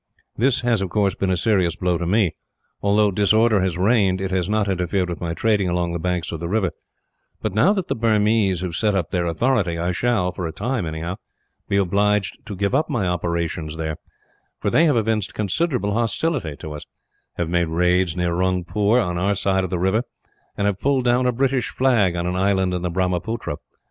"This has, of course, been a serious blow to me. Although disorder has reigned, it has not interfered with my trading along the banks of the river; but now that the Burmese have set up their authority, I shall, for a time anyhow, be obliged to give up my operations there; for they have evinced considerable hostility to us have made raids near Rungpoor, on our side of the river, and have pulled down a British flag on an island in the Brahmaputra.